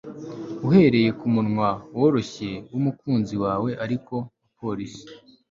uhereye kumunwa woroshye wumukunzi wawe ariko nka polisi